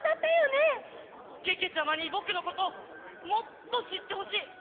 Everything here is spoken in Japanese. けけちゃまにぼくのこともっとしってほしい！